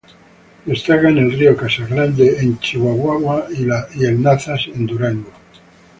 Destacan el río Casas Grandes en Chihuahua, y el Nazas, en Durango.